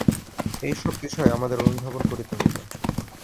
এইসব বিষয় আমাদের অনুধাবন করিতে হইবে।